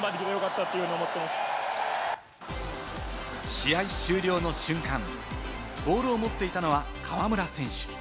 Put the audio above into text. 試合終了の瞬間、ボールを持っていたのは河村選手。